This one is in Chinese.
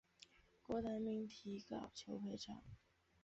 郭台铭提告求偿。